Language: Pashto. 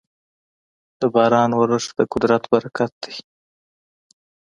د باران اورښت د قدرت برکت دی.